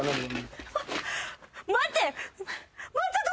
待って。